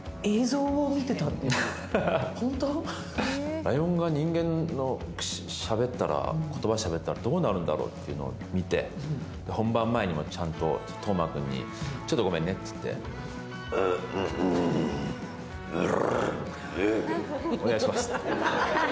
ライオンが人間の言葉しゃべったらどうなるんだろうというのを見て本番前にも、ちゃんと斗真君にちょっとごめんねって言って、グルルルってやってました。